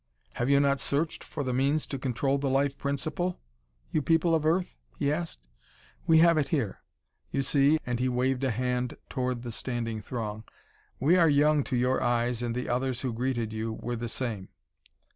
"Have you not searched for the means to control the life principle you people of Earth?" he asked. "We have it here. You see" and he waved a hand toward the standing throng "we are young to your eyes and the others who greeted you were the same."